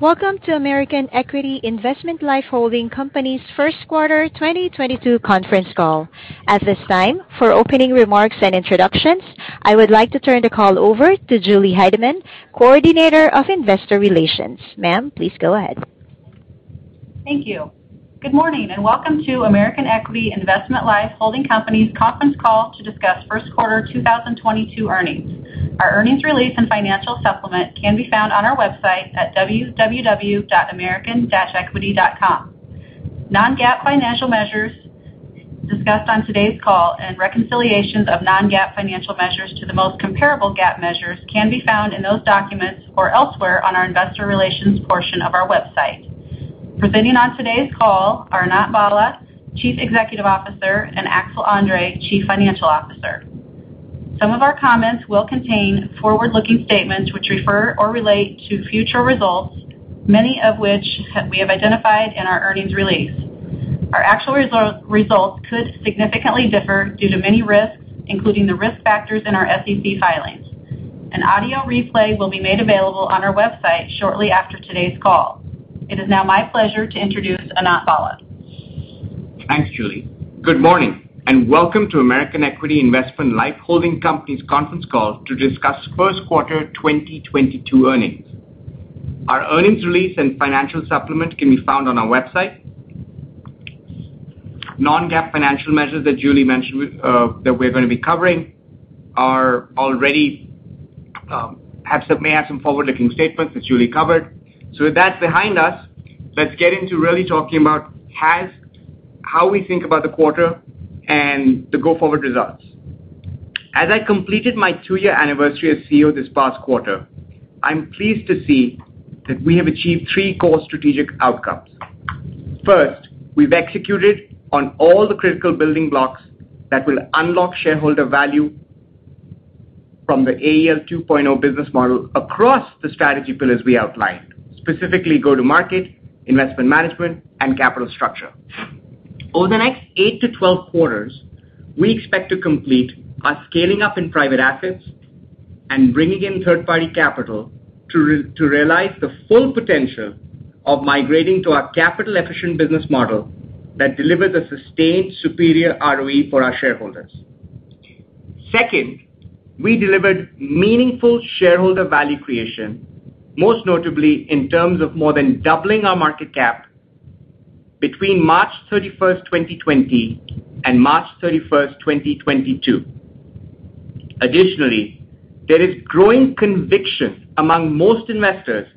Welcome to American Equity Investment Life Holding Company's Q1 2022 conference call. At this time, for opening remarks and introductions, I would like to turn the call over to Julie Heidemann, Coordinator of Investor Relations. Ma'am, please go ahead. Thank you. Good morning, and welcome to American Equity Investment Life Holding Company's conference call to discuss Q1 2022 earnings. Our earnings release and financial supplement can be found on our website at www.american-equity.com. Non-GAAP financial measures discussed on today's call and reconciliations of non-GAAP financial measures to the most comparable GAAP measures can be found in those documents or elsewhere on our investor relations portion of our website. Presenting on today's call are Anant Bhalla, Chief Executive Officer, and Axel André, Chief Financial Officer. Some of our comments will contain forward-looking statements which refer or relate to future results, many of which we have identified in our earnings release. Our actual results could significantly differ due to many risks, including the risk factors in our SEC filings. An audio replay will be made available on our website shortly after today's call. It is now my pleasure to introduce Anant Bhalla. Thanks, Julie. Good morning, and welcome to American Equity Investment Life Holding Company's conference call to discuss Q1 2022 earnings. Our earnings release and financial supplement can be found on our website. Non-GAAP financial measures that Julie mentioned with that we're gonna be covering are already may have some forward-looking statements that Julie covered. With that behind us, let's get into really talking about how we think about the quarter and the go-forward results. As I completed my two-year anniversary as CEO this past quarter, I'm pleased to see that we have achieved three core strategic outcomes. First, we've executed on all the critical building blocks that will unlock shareholder value from the AEL 2.0 business model across the strategy pillars we outlined, specifically go-to-market, investment management, and capital structure. Over the next 8-12 quarters, we expect to complete our scaling up in private assets and bringing in third-party capital to realize the full potential of migrating to our capital-efficient business model that delivers a sustained superior ROE for our shareholders. Second, we delivered meaningful shareholder value creation, most notably in terms of more than doubling our market cap between March 31, 2020, and March 31, 2022. Additionally, there is growing conviction among most investors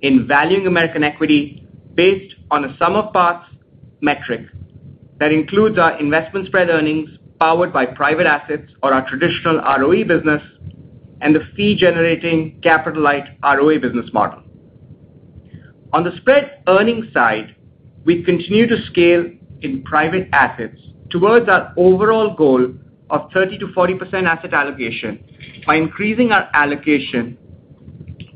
in valuing American Equity based on a sum of parts metric that includes our investment spread earnings powered by private assets or our traditional ROE business and the fee-generating capital-light ROE business model. On the spread earnings side, we continue to scale in private assets towards our overall goal of 30%-40% asset allocation by increasing our allocation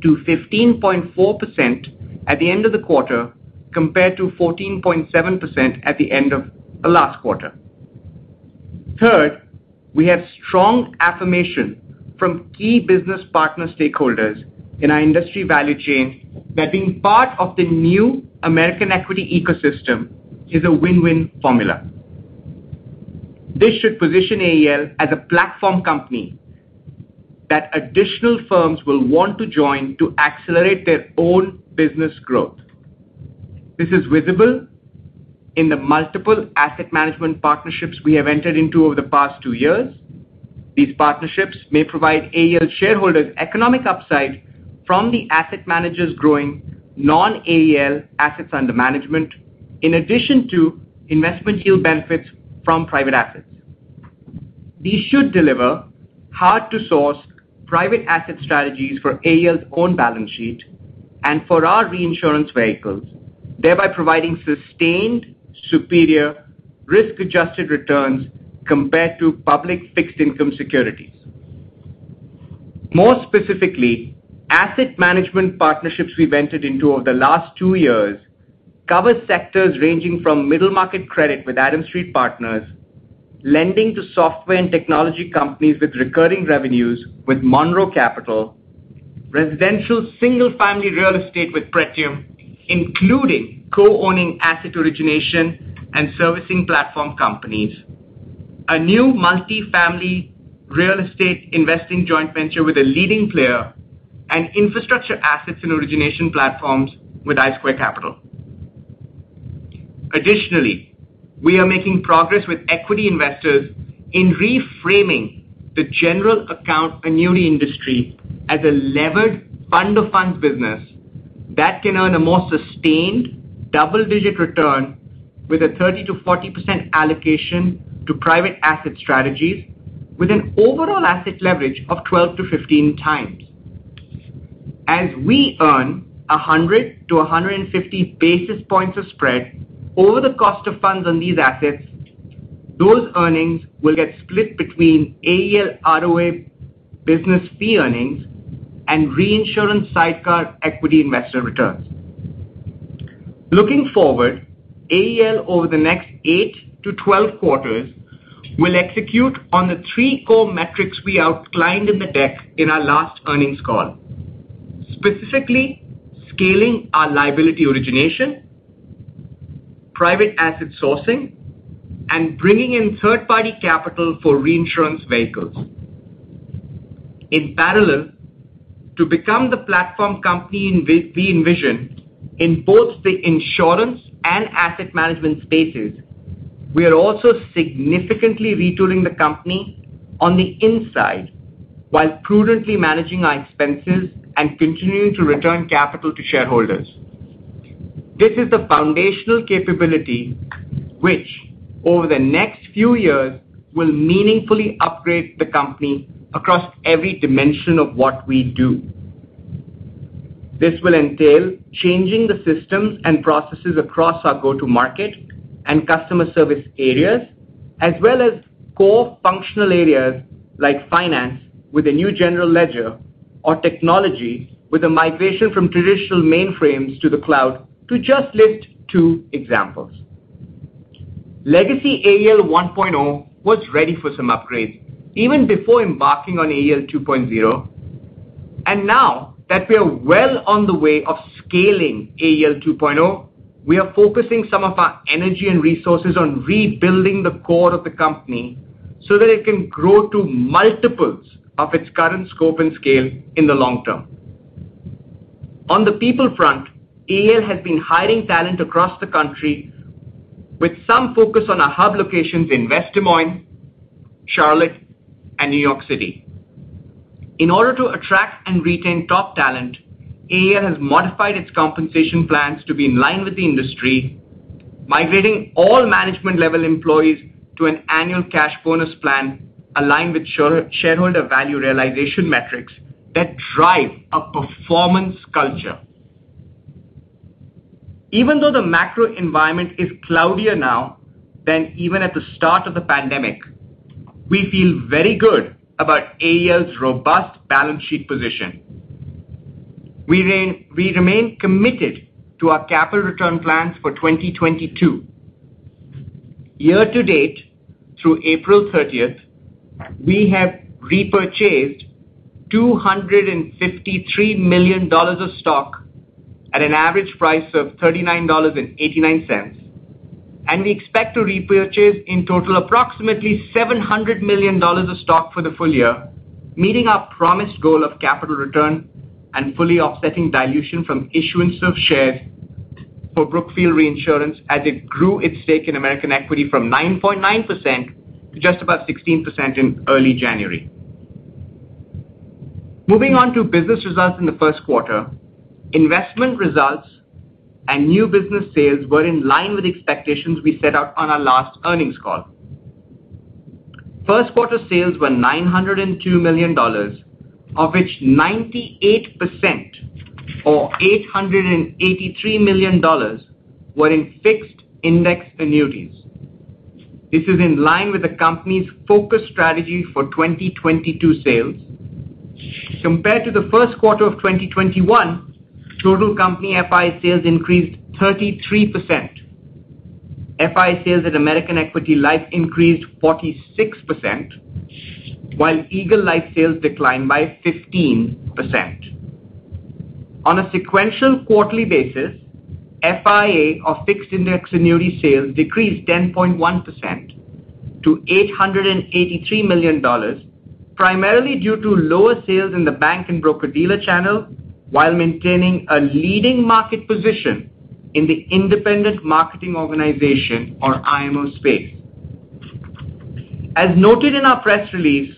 to 15.4% at the end of the quarter compared to 14.7% at the end of the last quarter. Third, we have strong affirmation from key business partner stakeholders in our industry value chain that being part of the new American Equity ecosystem is a win-win formula. This should position AEL as a platform company that additional firms will want to join to accelerate their own business growth. This is visible in the multiple asset management partnerships we have entered into over the past 2 years. These partnerships may provide AEL shareholders economic upside from the asset managers growing non-AEL assets under management, in addition to investment yield benefits from private assets. These should deliver hard-to-source private asset strategies for AEL's own balance sheet and for our reinsurance vehicles, thereby providing sustained superior risk-adjusted returns compared to public fixed income securities. More specifically, asset management partnerships we've entered into over the last two years cover sectors ranging from middle market credit with Adams Street Partners, lending to software and technology companies with recurring revenues with Monroe Capital, residential single-family real estate with Pretium, including co-owning asset origination and servicing platform companies, a new multifamily real estate investing joint venture with a leading player, and infrastructure assets and origination platforms with I Squared Capital. Additionally, we are making progress with equity investors in reframing the general account annuity industry as a levered fund of funds business that can earn a more sustained double-digit return with a 30%-40% allocation to private asset strategies with an overall asset leverage of 12-15x. As we earn 100-150 basis points of spread over the cost of funds on these assets, those earnings will get split between AEL ROE business fee earnings and reinsurance sidecar equity investor returns. Looking forward, AEL over the next 8-12 quarters will execute on the three core metrics we outlined in the deck in our last earnings call. Specifically, scaling our liability origination, private asset sourcing, and bringing in third-party capital for reinsurance vehicles. In parallel, to become the platform company we envision in both the insurance and asset management spaces, we are also significantly retooling the company on the inside while prudently managing our expenses and continuing to return capital to shareholders. This is the foundational capability which over the next few years will meaningfully upgrade the company across every dimension of what we do. This will entail changing the systems and processes across our go-to-market and customer service areas, as well as core functional areas like finance with a new general ledger or technology with a migration from traditional mainframes to the cloud to just list two examples. Legacy AEL 1.0 was ready for some upgrades even before embarking on AEL 2.0. Now that we are well on the way of scaling AEL 2.0, we are focusing some of our energy and resources on rebuilding the core of the company so that it can grow to multiples of its current scope and scale in the long term. On the people front, AEL has been hiring talent across the country with some focus on our hub locations in West Des Moines, Charlotte, and New York City. In order to attract and retain top talent, AEL has modified its compensation plans to be in line with the industry, migrating all management level employees to an annual cash bonus plan aligned with shareholder value realization metrics that drive a performance culture. Even though the macro environment is cloudier now than even at the start of the pandemic, we feel very good about AEL's robust balance sheet position. We remain committed to our capital return plans for 2022. Year to date, through April 30, we have repurchased $253 million of stock at an average price of $39.89, and we expect to repurchase in total approximately $700 million of stock for the full year, meeting our promised goal of capital return and fully offsetting dilution from issuance of shares for Brookfield Reinsurance as it grew its stake in American Equity from 9.9% to just about 16% in early January. Moving on to business results in the Q1, investment results and new business sales were in line with expectations we set out on our last earnings call. Q1 sales were $902 million, of which 98% or $883 million were in fixed index annuities. This is in line with the company's focus strategy for 2022 sales. Compared to the Q1 of 2021, total company FI sales increased 33%. FI sales at American Equity Life increased 46%, while Eagle Life sales declined by 15%. On a sequential quarterly basis, FIA or Fixed Index Annuity sales decreased 10.1% to $883 million, primarily due to lower sales in the bank and broker-dealer channel while maintaining a leading market position in the independent marketing organization or IMO space. As noted in our press release,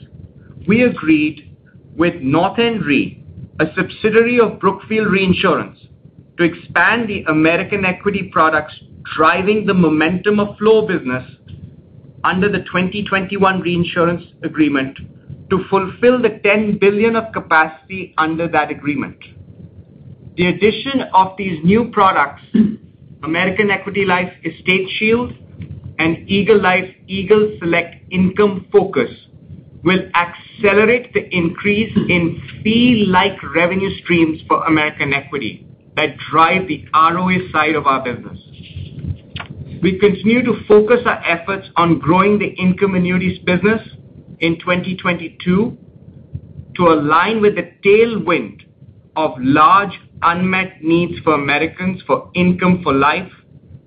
we agreed with North End Re, a subsidiary of Brookfield Reinsurance, to expand the American Equity products driving the momentum of flow business under the 2021 reinsurance agreement to fulfill the $10 billion of capacity under that agreement. The addition of these new products, American Equity Life Estate Shield and Eagle Life Eagle Select Income Focus, will accelerate the increase in fee-like revenue streams for American Equity that drive the ROE side of our business. We continue to focus our efforts on growing the income annuities business in 2022 to align with the tailwind of large unmet needs for Americans for income for life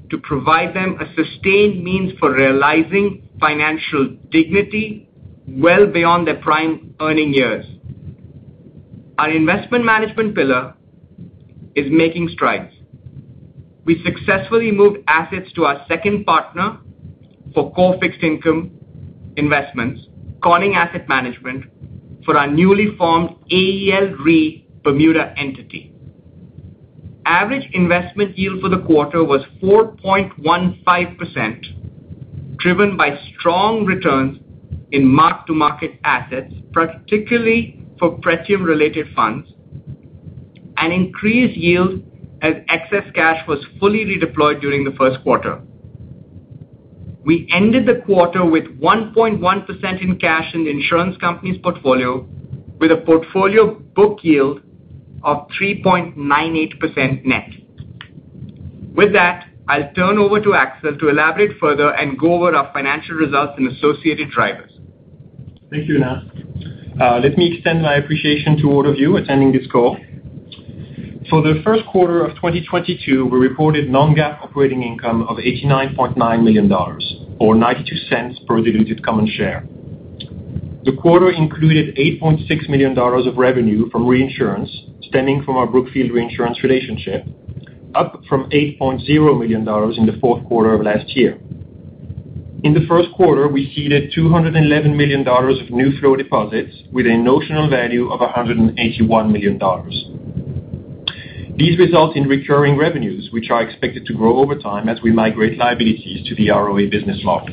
to provide them a sustained means for realizing financial dignity well beyond their prime earning years. Our investment management pillar is making strides. We successfully moved assets to our second partner for core fixed income investments, Conning Asset Management, for our newly formed AEL Re Bermuda entity. Average investment yield for the quarter was 4.15%, driven by strong returns in mark-to-market assets, particularly for Pretium-related funds, and increased yield as excess cash was fully redeployed during the Q1. We ended the quarter with 1.1% in cash in the insurance company's portfolio with a portfolio book yield of 3.98% net. With that, I'll turn over to Axel André to elaborate further and go over our financial results and associated drivers. Thank you, Nav. Let me extend my appreciation to all of you attending this call. For the Q1 of 2022, we reported non-GAAP operating income of $89.9 million or $0.92 per diluted common share. The quarter included $86 million of revenue from reinsurance stemming from our Brookfield Reinsurance relationship, up from $80.0 million in the Q4 of last year. In the Q1, we ceded $211 million of new flow deposits with a notional value of $181 million. These result in recurring revenues, which are expected to grow over time as we migrate liabilities to the ROA business model.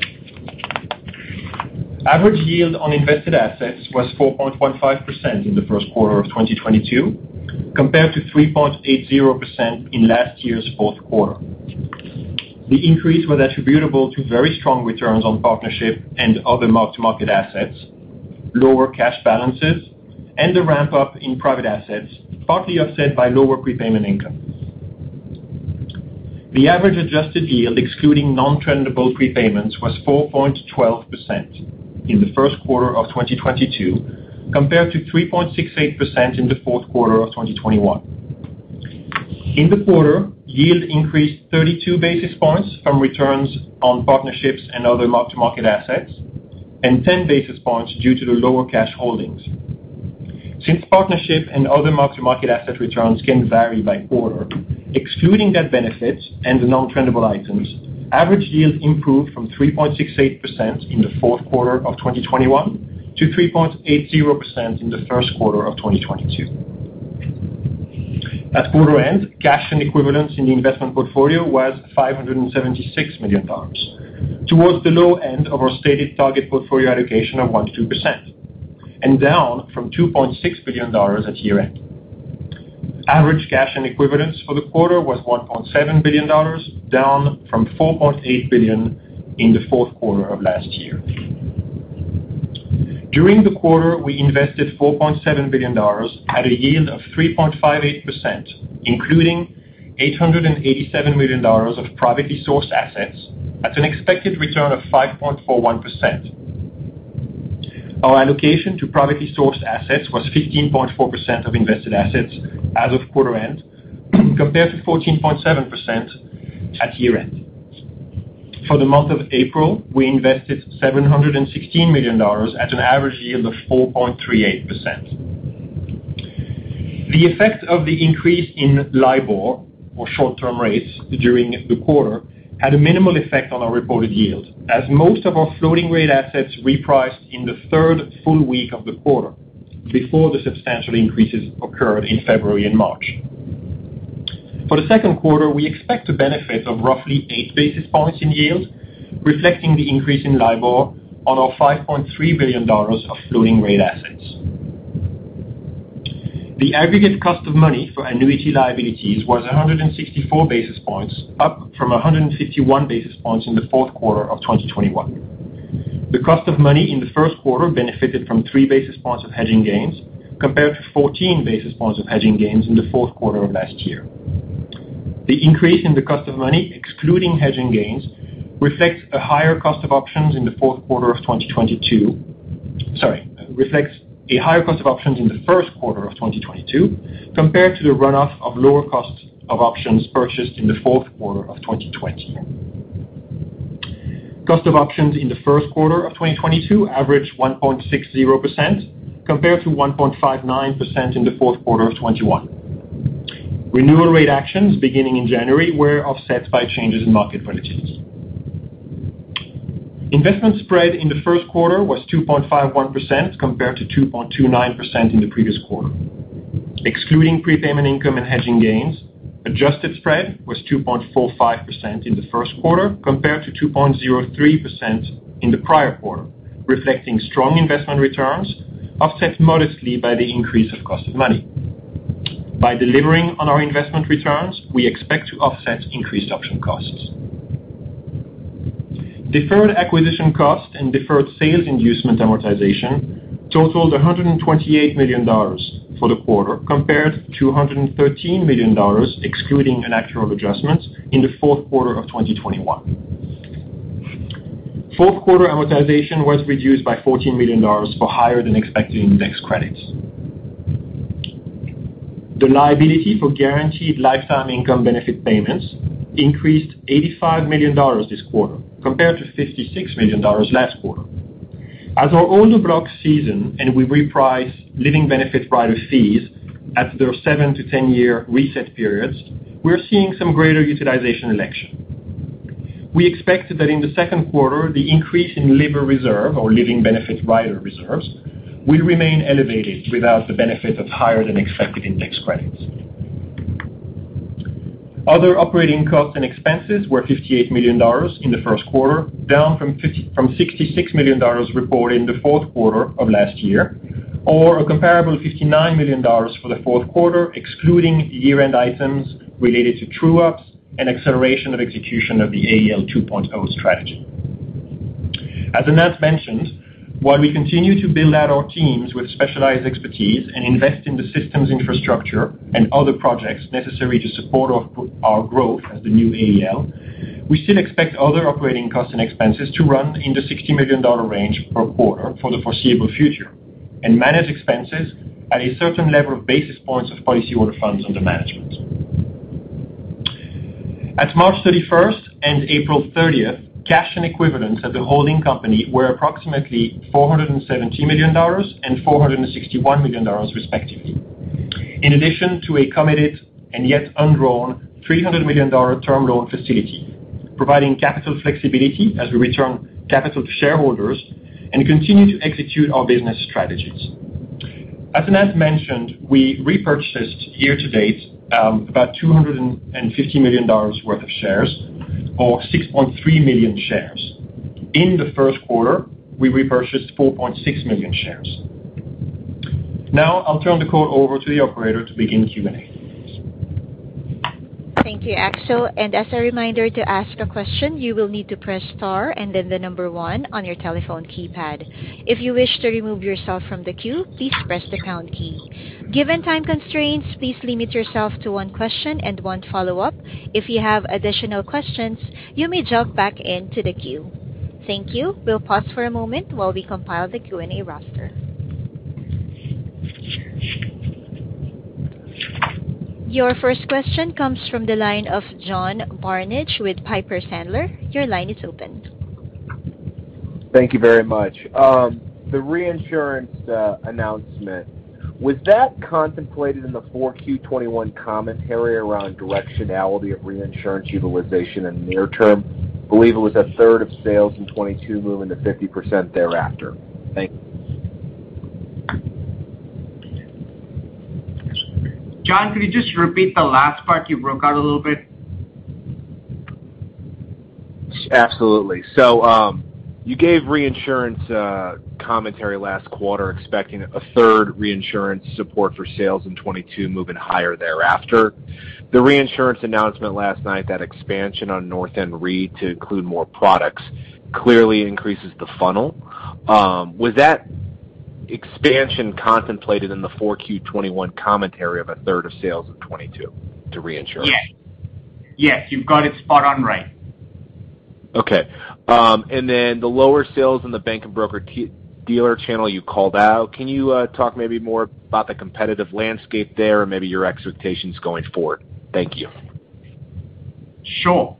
Average yield on invested assets was 4.15% in the Q1 of 2022 compared to 3.80% in last year's Q4. The increase was attributable to very strong returns on partnership and other mark-to-market assets, lower cash balances, and the ramp-up in private assets, partly offset by lower prepayment income. The average adjusted yield, excluding nontrendable prepayments, was 4.12% in the Q1 of 2022 compared to 3.68% in the Q4 of 2021. In the quarter, yield increased 32 basis points from returns on partnerships and other mark-to-market assets and 10 basis points due to the lower cash holdings. Since partnership and other mark-to-market asset returns can vary by quarter, excluding that benefit and the nontrendable items, average yield improved from 3.68% in the Q4 of 2021 to 3.80% in the Q1 of 2022. At quarter end, cash and equivalents in the investment portfolio was $576 million, towards the low end of our stated target portfolio allocation of 1%-2%, and down from $2.6 billion at year-end. Average cash and equivalents for the quarter was $1.7 billion, down from $4.8 billion in the Q4 of last year. During the quarter, we invested $4.7 billion at a yield of 3.58%, including $887 million of privately sourced assets at an expected return of 5.41%. Our allocation to privately sourced assets was 15.4% of invested assets as of quarter end compared to 14.7% at year-end. For the month of April, we invested $716 million at an average yield of 4.38%. The effect of the increase in LIBOR or short-term rates during the quarter had a minimal effect on our reported yield, as most of our floating rate assets repriced in the third full week of the quarter before the substantial increases occurred in February and March. For the Q2, we expect the benefit of roughly 8 basis points in yield, reflecting the increase in LIBOR on our $5.3 billion of floating rate assets. The aggregate cost of money for annuity liabilities was 164 basis points, up from 151 basis points in the Q4 of 2021. The cost of money in the Q1 benefited from 3 basis points of hedging gains compared to 14 basis points of hedging gains in the Q4 of last year. The increase in the cost of money, excluding hedging gains, reflects a higher cost of options in the Q1 of 2022 compared to the runoff of lower costs of options purchased in the Q4 of 2020. Cost of options in the Q1 of 2022 averaged 1.60% compared to 1.59% in the fourth quarter of 2021. Renewal rate actions beginning in January were offset by changes in market volatilities. Investment spread in the Q1 was 2.51% compared to 2.29% in the previous quarter. Excluding prepayment income and hedging gains, adjusted spread was 2.45% in the Q1 compared to 2.03% in the prior quarter, reflecting strong investment returns offset modestly by the increase of cost of money. By delivering on our investment returns, we expect to offset increased option costs. Deferred acquisition cost and deferred sales inducement amortization totaled $128 million for the quarter compared to $113 million, excluding an actuarial adjustment, in the Q4 of 2021. Q4 amortization was reduced by $14 million for higher than expected index credits. The liability for guaranteed lifetime income benefit payments increased $85 million this quarter compared to $56 million last quarter. As our older blocks season and we reprice living benefits rider fees at their 7-10-year reset periods, we're seeing some greater utilization election. We expect that in the Q2, the increase in living benefit rider reserve or living benefit rider reserves will remain elevated without the benefit of higher than expected index credits. Other operating costs and expenses were $58 million in the Q1, down from $66 million reported in the Q4 of last year, or a comparable $59 million for the Q4, excluding year-end items related to true ups and acceleration of execution of the AEL 2.0 strategy. As Anant mentioned, while we continue to build out our teams with specialized expertise and invest in the systems infrastructure and other projects necessary to support our growth as the new AEL, we still expect other operating costs and expenses to run in the $60 million range per quarter for the foreseeable future and manage expenses at a certain level of basis points of policyholder funds under management. At March 31 and April 30, cash and equivalents at the holding company were approximately $470 million and $461 million, respectively. In addition to a committed and yet undrawn $300 million term loan facility, providing capital flexibility as we return capital to shareholders and continue to execute our business strategies. As Anant mentioned, we repurchased year to date about $250 million worth of shares or 6.3 million shares. In the Q1, we repurchased 4.6 million shares. Now I'll turn the call over to the operator to begin Q&A. Thank you, Axel. As a reminder, to ask a question, you will need to press Star and then the number one on your telephone keypad. If you wish to remove yourself from the queue, please press the pound key. Given time constraints, please limit yourself to one question and one follow-up. If you have additional questions, you may jump back into the queue. Thank you. We'll pause for a moment while we compile the Q&A roster. Your first question comes from the line of John Barnidge with Piper Sandler. Your line is open. Thank you very much. The reinsurance announcement was that contemplated in the 4Q 2021 commentary around directionality of reinsurance utilization in the near term? Believe it was a third of sales in 2022 moving to 50% thereafter. Thank you. John, could you just repeat the last part? You broke out a little bit. Absolutely. You gave reinsurance commentary last quarter, expecting a third reinsurance support for sales in 2022, moving higher thereafter. The reinsurance announcement last night, that expansion on North End Re to include more products clearly increases the funnel. Was that expansion contemplated in the Q4 2021 commentary of a third of sales in 2022 to reinsurance? Yes. Yes. You've got it spot on right. Okay. The lower sales in the bank and broker-dealer channel you called out. Can you talk maybe more about the competitive landscape there or maybe your expectations going forward? Thank you. Sure.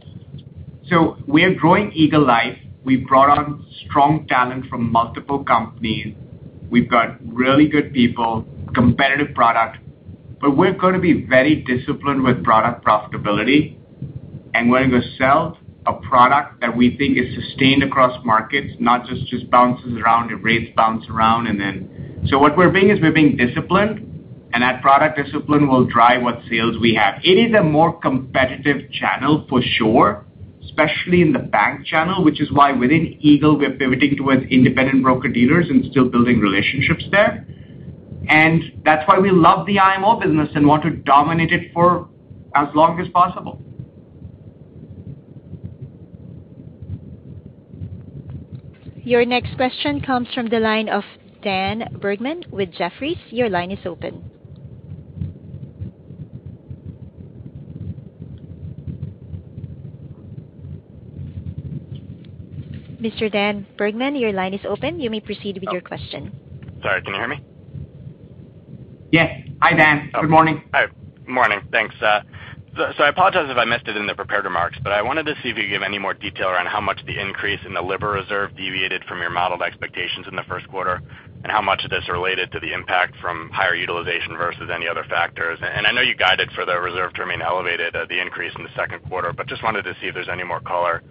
We are growing Eagle Life. We've brought on strong talent from multiple companies. We've got really good people, competitive product, but we're going to be very disciplined with product profitability, and we're going to sell a product that we think is sustained across markets, not just bounces around, the rates bounce around and then. What we're being is we're being disciplined, and that product discipline will drive what sales we have. It is a more competitive channel for sure, especially in the bank channel, which is why within Eagle, we are pivoting towards independent broker-dealers and still building relationships there. That's why we love the IMO business and want to dominate it for as long as possible. Your next question comes from the line of Dan Bergman with Jefferies. Your line is open. Mr. Dan Bergman, your line is open. You may proceed with your question. Sorry. Can you hear me? Yes. Hi, Dan. Good morning. Hi. Morning. Thanks. I apologize if I missed it in the prepared remarks, but I wanted to see if you could give any more detail around how much the increase in the living benefit rider reserve deviated from your modeled expectations in the Q1, and how much of this related to the impact from higher utilization versus any other factors. I know you guided for the reserve to remain elevated at the increase in the Q2, but just wanted to see if there's any more color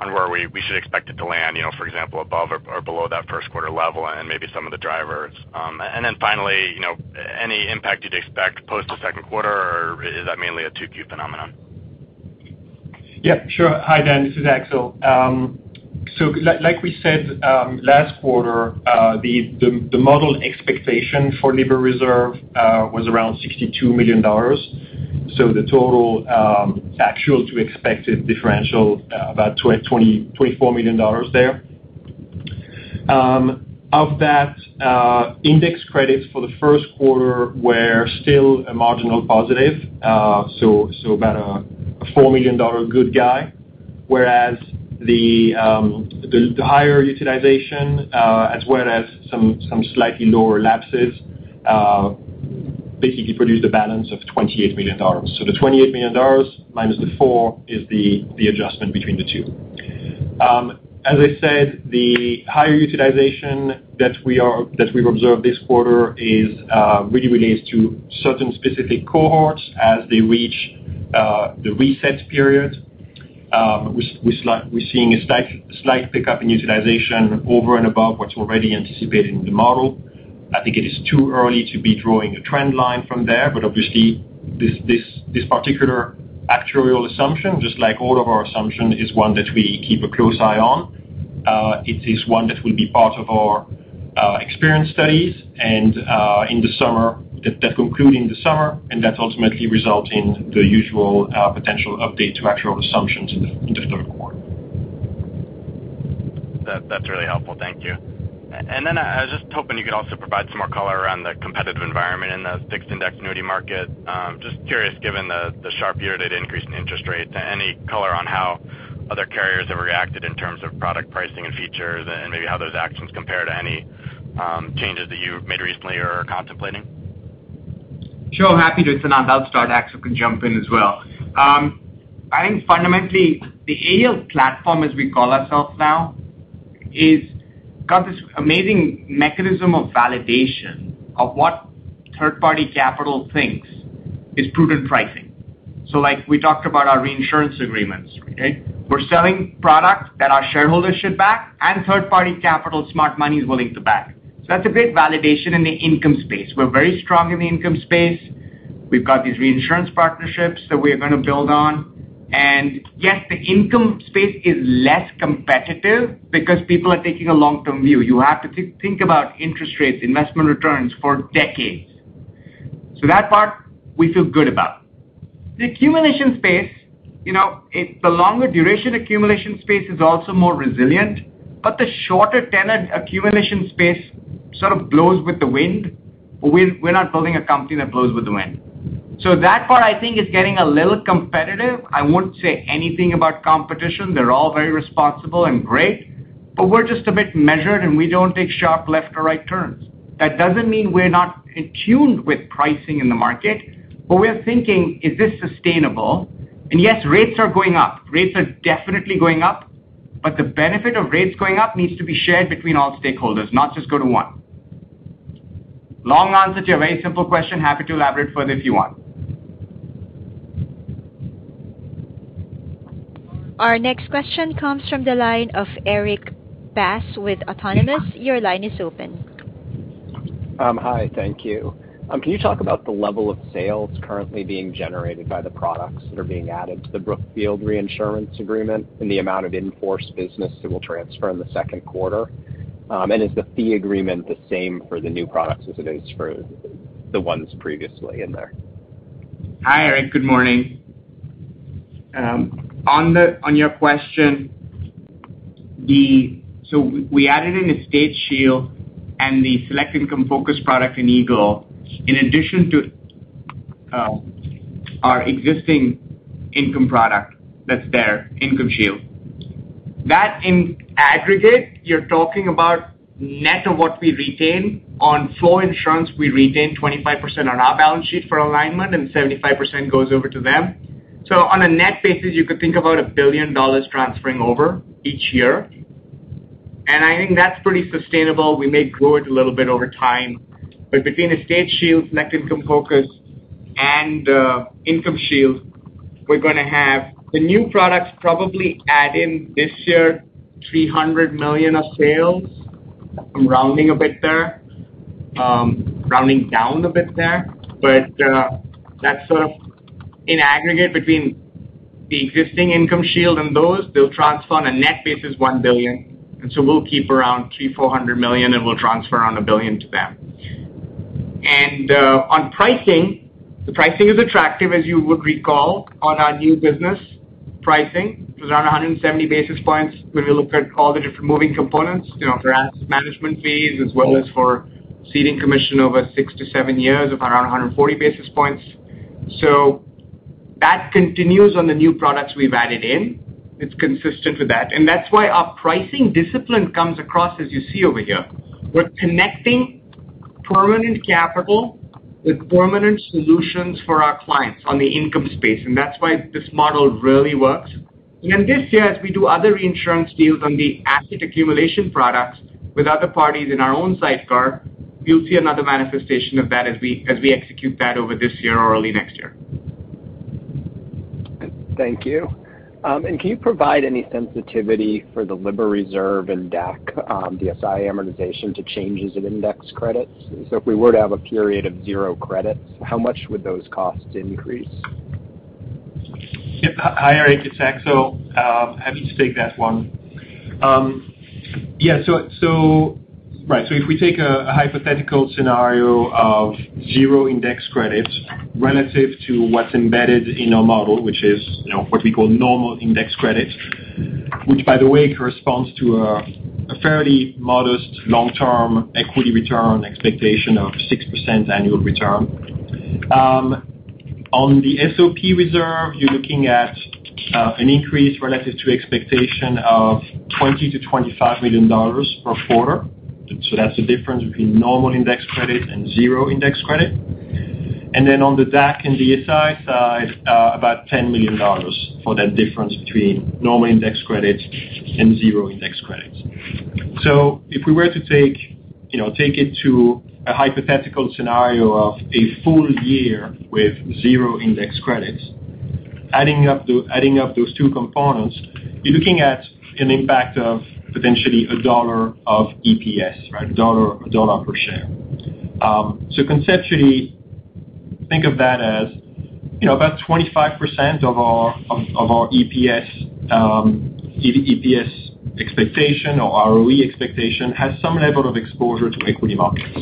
on where we should expect it to land for example, above or below that Q1 level and maybe some of the drivers. Finally any impact you'd expect post the Q2, or is that mainly a 2Q phenomenon? Yeah, sure. Hi, Dan. This is Axel André. So like we said last quarter, the model expectation for living reserve was around $62 million. The total actual to expected differential about $24 million there. Of that, index credits for the Q1 were still a marginal positive, so about a $4 million gain. Whereas the higher utilization, as well as some slightly lower lapses, basically produced a balance of $28 million. So the $28 million minus the 4 is the adjustment between the two. As I said, the higher utilization that we've observed this quarter is really related to certain specific cohorts as they reach the reset period. We're seeing a slight pickup in utilization over and above what's already anticipated in the model. I think it is too early to be drawing a trend line from there, but obviously this particular actuarial assumption, just like all of our assumption, is one that we keep a close eye on. It is one that will be part of our experience studies and in the summer that conclude in the summer, and that ultimately result in the usual potential update to actuarial assumptions in the Q3. That's really helpful. Thank you. I was just hoping you could also provide some more color around the competitive environment in the fixed indexed annuity market. Just curious, given the sharp year-to-date increase in interest rates, any color on how other carriers have reacted in terms of product pricing and features and maybe how those actions compare to any changes that you've made recently or are contemplating? Sure. Happy to, Sinan. I'll start. Axel can jump in as well. I think fundamentally, the AEL platform, as we call ourselves now, is got this amazing mechanism of validation of what third-party capital thinks is prudent pricing. So like we talked about our reinsurance agreements, okay? We're selling product that our shareholders should back and third-party capital smart money is willing to back. So that's a great validation in the income space. We're very strong in the income space. We've got these reinsurance partnerships that we're gonna build on. Yes, the income space is less competitive because people are taking a long-term view. You have to think about interest rates, investment returns for decades. So that part we feel good about. The accumulation space it's the longer duration accumulation space is also more resilient, but the shorter tenured accumulation space sort of blows with the wind. We're not building a company that blows with the wind. That part, I think, is getting a little competitive. I won't say anything about competition. They're all very responsible and great, but we're just a bit measured, and we don't take sharp left or right turns. That doesn't mean we're not in tune with pricing in the market, but we're thinking, is this sustainable? Yes, rates are going up. Rates are definitely going up, but the benefit of rates going up needs to be shared between all stakeholders, not just go to one. Long answer to your very simple question. Happy to elaborate further if you want. Our next question comes from the line of Erik Bass with Autonomous. Your line is open. Hi. Thank you. Can you talk about the level of sales currently being generated by the products that are being added to the Brookfield reinsurance agreement and the amount of in-force business that will transfer in the Q2? Is the fee agreement the same for the new products as it is for the ones previously in there? Hi, Erik. Good morning. On your question, we added in Estate Shield and the Eagle Select Income Focus product in Eagle, in addition to our existing income product that's there, IncomeShield. That in aggregate, you're talking about net of what we retain. On flow insurance, we retain 25% on our balance sheet for alignment, and 75% goes over to them. On a net basis, you could think about $1 billion transferring over each year. I think that's pretty sustainable. We may grow it a little bit over time. Between Estate Shield, Eagle Select Income Focus and IncomeShield, we're gonna have the new products probably add in this year $300 million of sales. I'm rounding a bit there, rounding down a bit there. That's sort of in aggregate between the existing IncomeShield and those. They'll transfer on a net basis $1 billion. We'll keep around $300-$400 million, and we'll transfer around $1 billion to them. On pricing, the pricing is attractive, as you would recall, on our new business pricing. It was around 170 basis points when we looked at all the different moving components for asset management fees, as well as for ceding commission over 6-7 years of around 140 basis points. That continues on the new products we've added in. It's consistent with that. That's why our pricing discipline comes across as you see over here. We're connecting permanent capital with permanent solutions for our clients on the income space, and that's why this model really works. This year, as we do other reinsurance deals on the asset accumulation products with other parties in our own sidecar, you'll see another manifestation of that as we execute that over this year or early next year. Thank you. Can you provide any sensitivity for the GLWB reserve and DAC, DSI amortization to changes in index credits? If we were to have a period of zero credits, how much would those costs increase? Yep. Hi, Erik. It's Axel. Happy to take that one. Yeah, right. If we take a hypothetical scenario of zero index credit relative to what's embedded in our model, which is what we call normal index credit, which, by the way, corresponds to a fairly modest long-term equity return expectation of 6% annual return. On the SOP reserve, you're looking at an increase relative to expectation of $20 million-$25 million per quarter. That's the difference between normal index credit and zero index credit. Then on the DAC and DSI side, about $10 million for that difference between normal index credits and zero index credits. If we were to take it to a hypothetical scenario of a full year with zero index credits. Adding up those two components, you're looking at an impact of potentially $1 of EPS, right? $1 per share. Conceptually, think of that as about 25% of our EPS expectation or ROE expectation has some level of exposure to equity markets.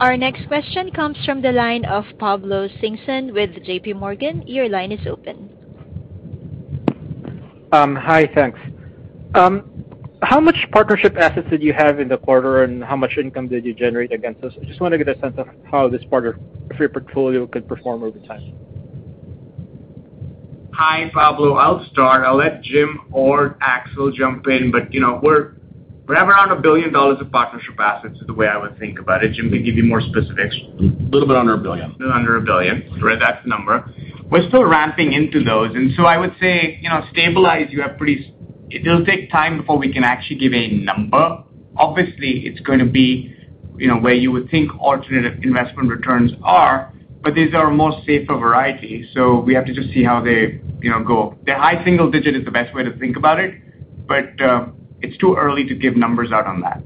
Our next question comes from the line of Pablo Singzon with JP Morgan. Your line is open. Hi, thanks. How much partnership assets did you have in the quarter, and how much income did you generate against this? I just wanna get a sense of how this part of your portfolio could perform over time. Hi, Pablo. I'll start. I'll let Jim or Axel jump in, but we're right around $1 billion of partnership assets is the way I would think about it. Jim can give you more specifics. Little bit under $1 billion. little under $1 billion. Right, that's the number. We're still ramping into those. I would say it'll take time before we can actually give a number. Obviously, it's gonna be where you would think alternative investment returns are, but these are a more safer variety, so we have to just see how they go. The high single-digit % is the best way to think about it, but it's too early to give numbers out on that.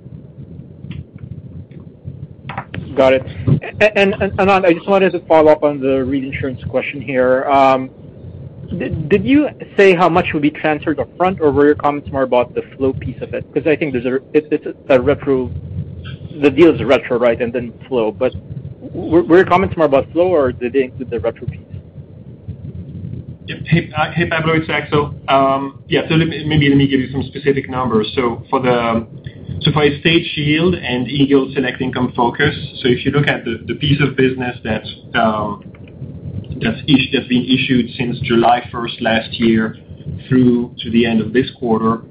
Got it. Anant, I just wanted to follow up on the reinsurance question here. Did you say how much would be transferred up front, or were your comments more about the flow piece of it? Because I think it's a retro. The deal is retro, right, and then flow. Were your comments more about flow, or did they include the retro piece? Yeah. Hey, Pablo, it's Axel. Let me give you some specific numbers. For the Estate Shield and Eagle Select Income Focus, if you look at the piece of business that's being issued since July first last year through to the end of this quarter,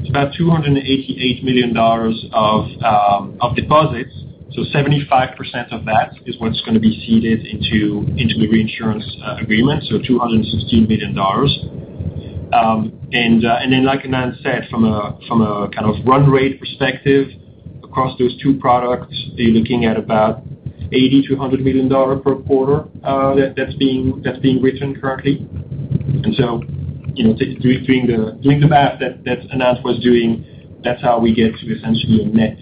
it's about $288 million of deposits. 75% of that is what's gonna be ceded into the reinsurance agreement, so $216 million. Like Anant Bhalla said, from a kind of run rate perspective across those two products, you're looking at about $80-$100 million per quarter that's being written currently. You know, take. Doing the math that Anant was doing, that's how we get to essentially a net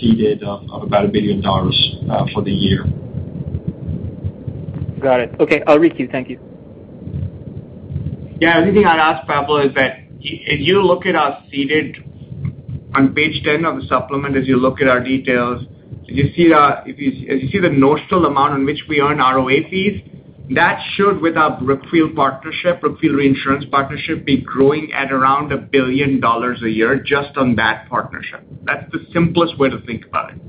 ceded of about $1 billion for the year. Got it. Okay. I'll let you. Thank you. Yeah. The only thing I'd ask, Pablo, is that if you look at our ceded on page 10 of the supplement, you see the notional amount on which we earn ROA fees, that should, with our Brookfield reinsurance partnership, be growing at around $1 billion a year just on that partnership. That's the simplest way to think about it.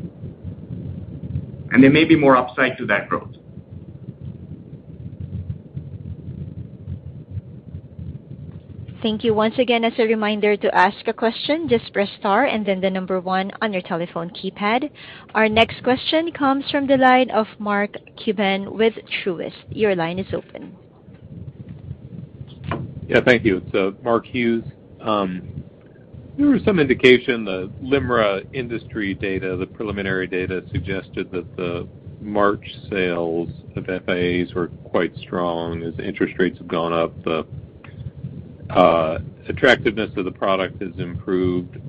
There may be more upside to that growth. Thank you once again. As a reminder to ask a question, just press star and then the number one on your telephone keypad. Our next question comes from the line of Mark Hughes with Truist. Your line is open. Thank you. Mark Hughes. There was some indication, the LIMRA industry data, the preliminary data suggested that the March sales of FIAs were quite strong. As interest rates have gone up, the attractiveness of the product has improved.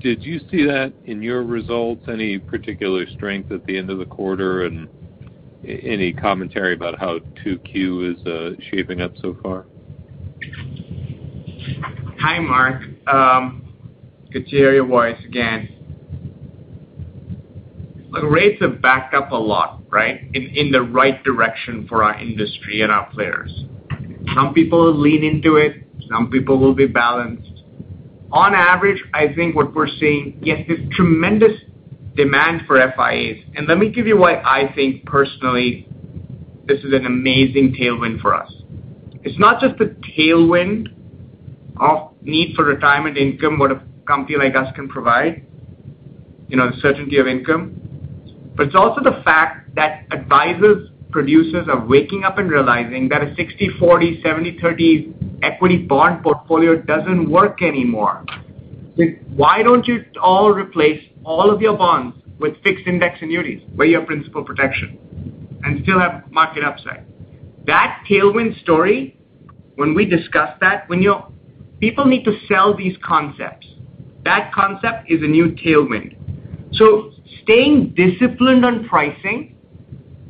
Did you see that in your results? Any particular strength at the end of the quarter, and any commentary about how 2Q is shaping up so far? Hi, Mark. Good to hear your voice again. Look, rates have backed up a lot, right? In the right direction for our industry and our players. Some people lean into it, some people will be balanced. On average, I think what we're seeing, yes, there's tremendous demand for FIAs. Let me give you why I think personally this is an amazing tailwind for us. It's not just the tailwind of need for retirement income, what a company like us can provide the certainty of income, but it's also the fact that advisors, producers are waking up and realizing that a 60/40, 70/30 equity bond portfolio doesn't work anymore. Why don't you all replace all of your bonds with fixed index annuities, where you have principal protection and still have market upside? That tailwind story, when we discuss that, when you. People need to sell these concepts. That concept is a new tailwind. Staying disciplined on pricing,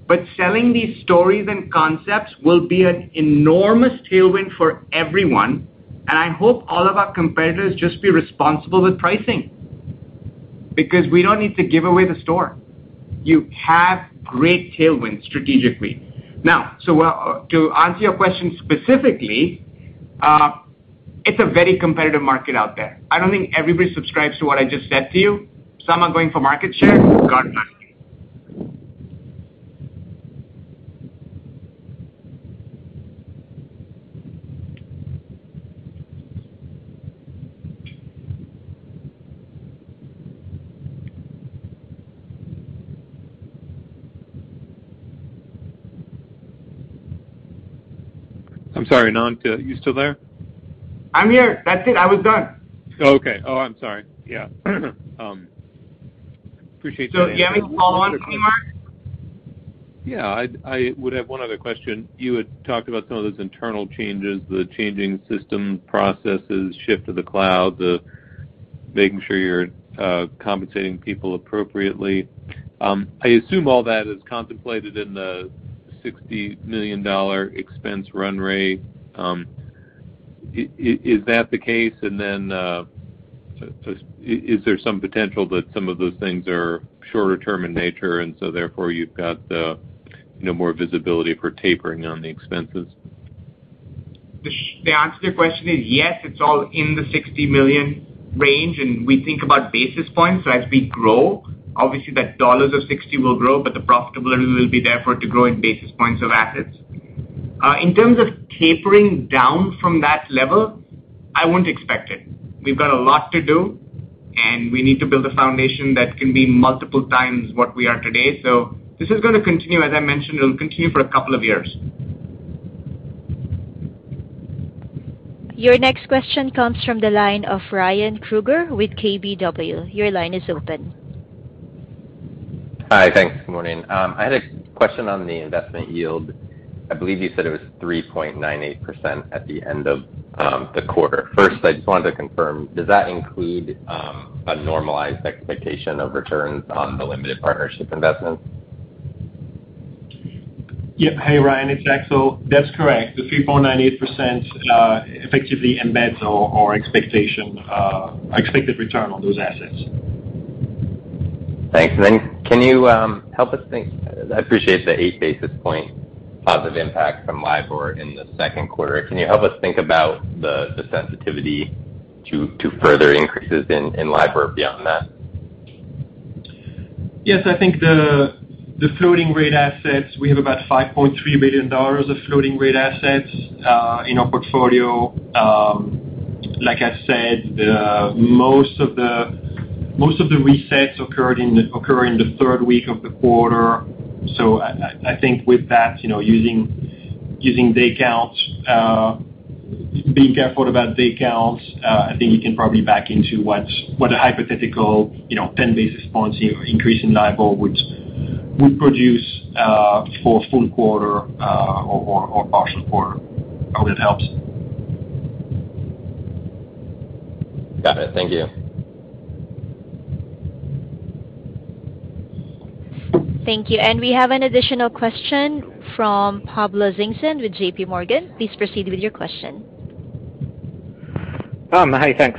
but selling these stories and concepts will be an enormous tailwind for everyone. I hope all of our competitors just be responsible with pricing because we don't need to give away the store. You have great tailwind strategically. Now, to answer your question specifically, it's a very competitive market out there. I don't think everybody subscribes to what I just said to you. Some are going for market share, God bless you. I'm sorry, Anant, you still there? I'm here. That's it. I was done. Okay. Oh, I'm sorry. Yeah. Appreciate the You have a follow-on for me, Mark? Yeah, I would have one other question. You had talked about some of those internal changes, the changing system processes, shift to the cloud, the making sure you're compensating people appropriately. I assume all that is contemplated in the $60 million expense run rate. Is that the case? So is there some potential that some of those things are shorter term in nature and so therefore you've got you know, more visibility for tapering on the expenses? The answer to your question is yes, it's all in the $60 million range, and we think about basis points as we grow. Obviously, that $60 million will grow, but the profitability will therefore grow in basis points of assets. In terms of tapering down from that level, I wouldn't expect it. We've got a lot to do, and we need to build a foundation that can be multiple times what we are today. This is gonna continue. As I mentioned, it'll continue for a couple of years. Your next question comes from the line of Ryan Krueger with KBW. Your line is open. Hi. Thanks. Good morning. I had a question on the investment yield. I believe you said it was 3.98% at the end of the quarter. First, I just wanted to confirm, does that include a normalized expectation of returns on the limited partnership investment? Yep. Hey, Ryan, it's Axel. That's correct. The 3.98% effectively embeds our expectation, our expected return on those assets. Thanks. I appreciate the 8 basis point positive impact from LIBOR in the Q2. Can you help us think about the sensitivity to further increases in LIBOR beyond that? Yes. I think the floating rate assets, we have about $5.3 billion of floating rate assets in our portfolio. Like I said, most of the resets occur in the third week of the quarter. I think with that using day counts, being careful about day counts, I think you can probably back into what a hypothetical 10 basis points increase in LIBOR would produce for a full quarter or partial quarter. Hope it helps. Got it. Thank you. Thank you. We have an additional question from Pablo Singzon with JP Morgan. Please proceed with your question. Hi, thanks.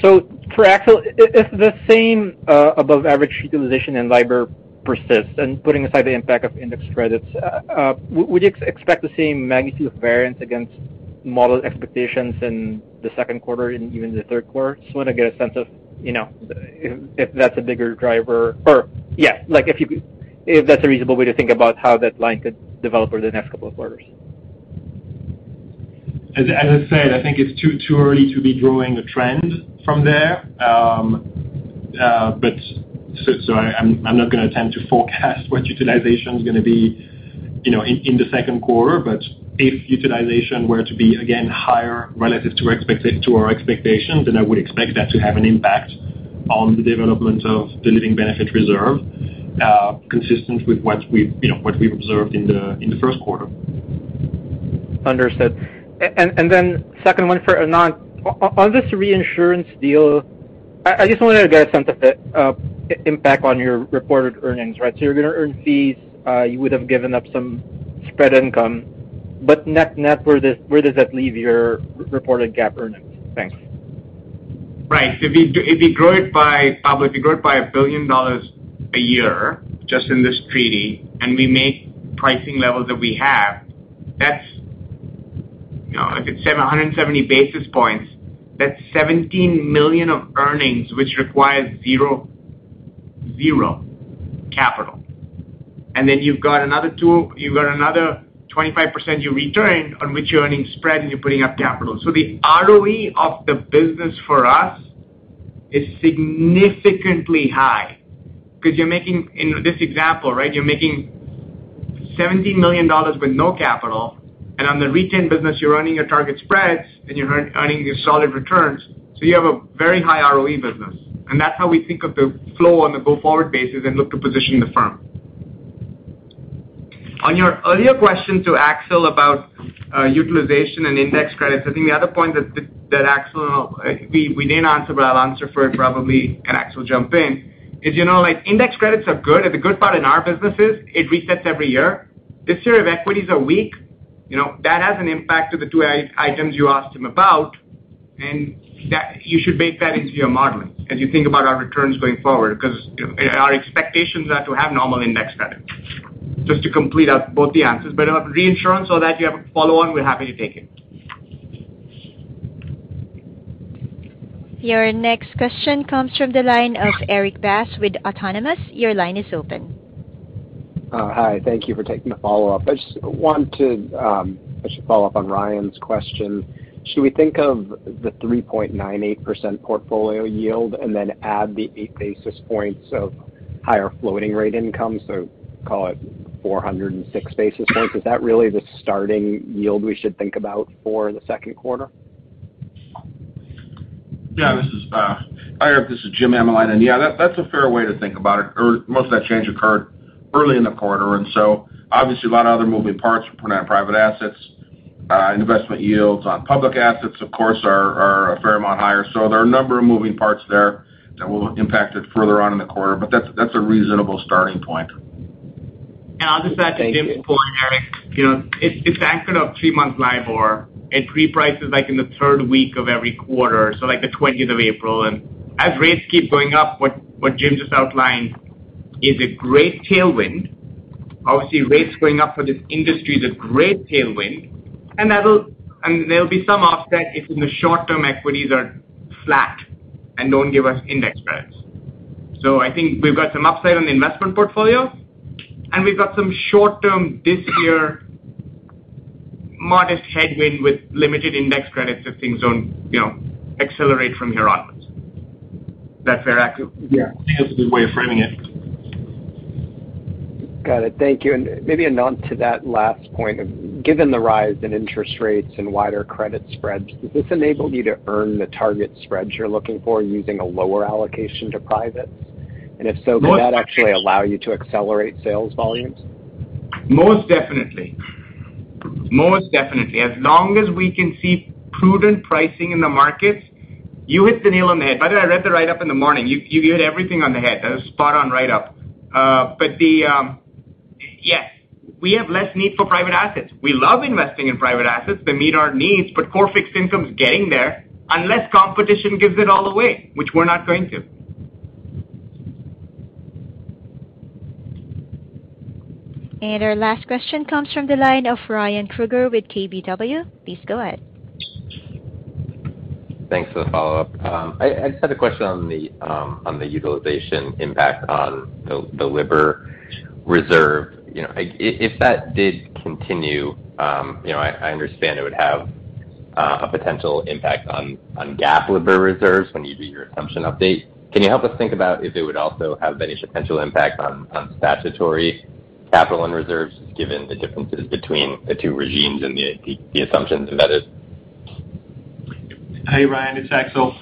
For Axel, if the same above average utilization in LIBOR persists, and putting aside the impact of index credits, would you expect the same magnitude of variance against model expectations in the Q2 and even the Q3? Just wanna get a sense of if that's a bigger driver or yeah, like if you could. If that's a reasonable way to think about how that line could develop over the next couple of quarters. As I said, I think it's too early to be drawing a trend from there. I'm not gonna attempt to forecast what utilization's gonna be in the Q2. If utilization were to be again higher relative to our expectations, then I would expect that to have an impact on the development of the living benefit reserve, consistent with what we've observed in the Q1. Understood. Then second one for Anant. On this reinsurance deal, I just wanted to get a sense of the impact on your reported earnings, right? You're gonna earn fees, you would have given up some spread income, but net, where does that leave your reported GAAP earnings? Thanks. Right. If we grow it by, Pablo, $1 billion a year just in this treaty, and we make pricing levels that we have, that's like it's 770 basis points, that's $17 million of earnings, which requires zero capital. Then you've got another 25% you return on which you're earning spread and you're putting up capital. The ROE of the business for us is significantly high 'cause you're making, in this example, right? You're making $17 million with no capital, and on the retained business, you're earning your target spreads, and you're earning your solid returns. You have a very high ROE business. That's how we think of the flow on a go-forward basis and look to position the firm. On your earlier question to Axel about utilization and index credits, I think the other point that Axel we didn't answer, but I'll answer for it probably, and Axel jump in, is you know, like index credits are good, and the good part in our business is it resets every year. This year, if equities are weak that has an impact to the two items you asked him about, and that you should bake that into your modeling as you think about our returns going forward 'cause our expectations are to have normal index credit. Just to complete both the answers. On reinsurance or that you have a follow on, we're happy to take it. Your next question comes from the line of Erik Bass with Autonomous. Your line is open. Hi. Thank you for taking the follow-up. I just want to, I should follow up on Ryan's question. Should we think of the 3.98% portfolio yield and then add the 8 basis points of higher floating rate income, so call it 406 basis points? Is that really the starting yield we should think about for the Q2? Yeah, this is hi, Erik. This is Jim Hamalainen. Yeah, that's a fair way to think about it. Most of that change occurred early in the quarter, and so obviously a lot of other moving parts for private assets. Investment yields on public assets, of course, are a fair amount higher. There are a number of moving parts there that will impact it further on in the quarter, but that's a reasonable starting point. I'll just add to Jim's point, Eric. You know, it's indexed to three-month LIBOR. It reprices like in the third week of every quarter, so like the twentieth of April. As rates keep going up, what Jim just outlined is a great tailwind. Obviously, rates going up for this industry is a great tailwind, and that'll be some offset if in the short term equities are flat and don't give us index credits. I think we've got some upside on the investment portfolio, and we've got some short-term this year modest headwind with limited index credits if things don't accelerate from here onwards. That fair, Axel? Yeah. I think that's a good way of framing it. Got it. Thank you. Maybe a nod to that last point. Given the rise in interest rates and wider credit spreads, does this enable you to earn the target spreads you're looking for using a lower allocation to privates? If so, could that actually allow you to accelerate sales volumes? Most definitely. As long as we can see prudent pricing in the markets, you hit the nail on the head. By the way, I read the write-up in the morning. You hit everything on the head. That was a spot-on write-up. Yes. We have less need for private assets. We love investing in private assets that meet our needs, but core fixed income is getting there unless competition gives it all away, which we're not going to. Our last question comes from the line of Ryan Krueger with KBW. Please go ahead. Thanks for the follow-up. I just had a question on the utilization impact on the LIBOR reserve. You know, if that did continue I understand it would have a potential impact on GAAP LIBOR reserves when you do your assumption update. Can you help us think about if it would also have any potential impact on statutory capital and reserves, given the differences between the two regimes and the assumptions embedded? Hey, Ryan. It's Axel.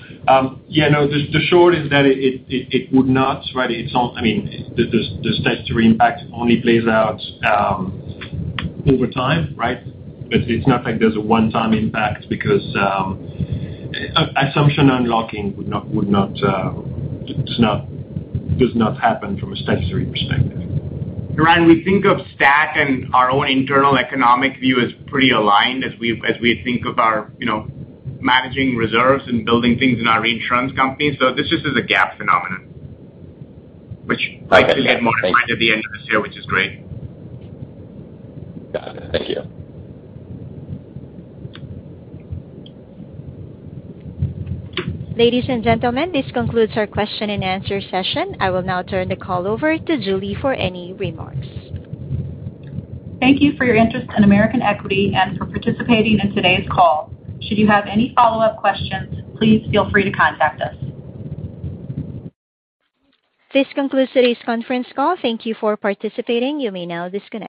Yeah, no, the short is that it would not, right? I mean, the statutory impact only plays out over time, right? It's not like there's a one-time impact because assumption unlocking does not happen from a statutory perspective. Ryan, we think of stat and our own internal economic view as pretty aligned as we think of our managing reserves and building things in our reinsurance company. This just is a GAAP phenomenon which likes to get more defined at the end of this year, which is great. Got it. Thank you. Ladies and gentlemen, this concludes our question and answer session. I will now turn the call over to Julie for any remarks. Thank you for your interest in American Equity and for participating in today's call. Should you have any follow-up questions, please feel free to contact us. This concludes today's conference call. Thank you for participating. You may now disconnect.